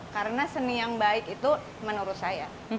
karena seni yang baik itu menurut saya